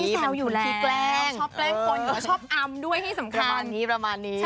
แซวอยู่แล้วที่แกล้งชอบแกล้งคนก็ชอบอำด้วยที่สำคัญประมาณนี้